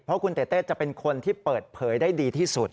เพราะคุณเต้เต้จะเป็นคนที่เปิดเผยได้ดีที่สุด